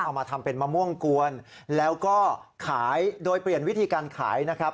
เอามาทำเป็นมะม่วงกวนแล้วก็ขายโดยเปลี่ยนวิธีการขายนะครับ